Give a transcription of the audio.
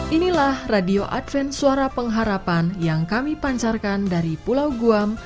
inilah radio adven suara pengharapan yang kami pancarkan dari pulau guam